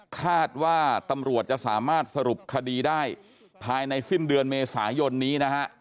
คาดว่าตำรวจจะสามารถสรุปคดีได้ภายในสิ้นเดือนเมษายนนี้นะฮะ